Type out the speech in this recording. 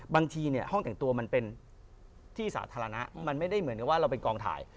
บางทีเนี่ยห้องแต่งตัวมันเป็นที่สาธารณะมันไม่ได้เหมือนกับว่าเราเป็นกองถ่าย